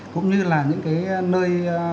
cũng như là những cái nơi